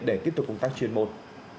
để tiếp tục công tác chuyên môn